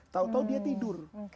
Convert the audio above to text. tau tau dia tidur